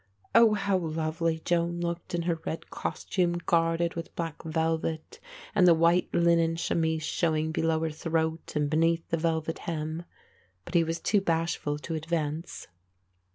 Oh, how lovely Joan looked in her red costume guarded with black velvet and the white linen chemise showing below her throat and beneath the velvet hem. But he was too bashful to advance.